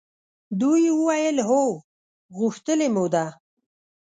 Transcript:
دوی وویل هو! غوښتلې مو ده.